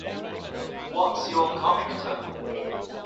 What's your comic tone?